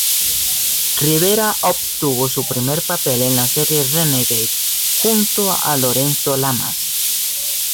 Rivera obtuvo su primer papel en la serie Renegade, junto a Lorenzo Lamas.